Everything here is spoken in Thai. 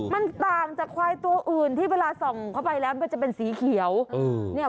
มันต่างจากควายตัวอื่นที่เวลาส่องเข้าไปแล้วมันจะเป็นสีเขียว